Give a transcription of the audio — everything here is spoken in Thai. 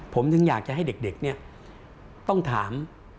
ผมถึงอยากจะให้เด็กเนี่ยต้องถาม